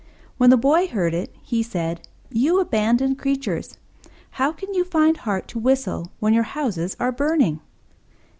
When the Boy heard it, he said, "You abandoned creatures, how can you find heart to whistle when your houses are burning?"